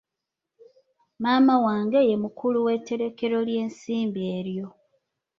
Maama wange ye mukulu w'etterekero ly'ensimbi eryo.